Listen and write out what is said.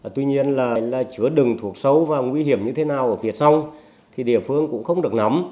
tuy nhiên là chứa đừng thuốc sâu và nguy hiểm như thế nào ở phía sông thì địa phương cũng không được nắm